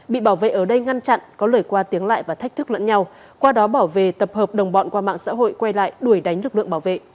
bị bảo vệ ở đây ngăn chặn có lời qua tiếng lại và thách thức lẫn nhau qua đó bảo về tập hợp đồng bọn qua mạng xã hội quay lại đuổi đánh lực lượng bảo vệ